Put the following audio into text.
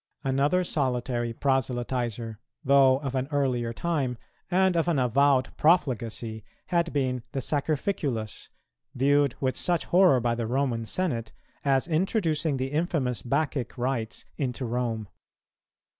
Another solitary proselytizer, though of an earlier time and of an avowed profligacy, had been the Sacrificulus, viewed with such horror by the Roman Senate, as introducing the infamous Bacchic rites into Rome.